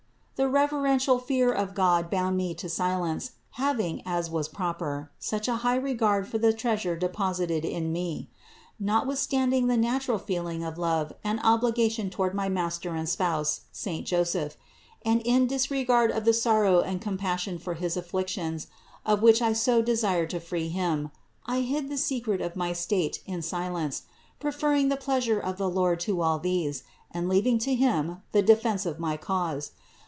The reverential fear of God bound me to silence, having (as was proper) such a high regard for the Treasure deposited in me. Notwithstanding the natural feeling of love and obligation toward my master and spouse saint Joseph, and in disregard of the sorrow and compas sion for his afflictions, of which I so desired to free him, I hid the secret of my state in silence, preferring the pleasure of the Lord to all these, and leaving to Him the defense of my cause.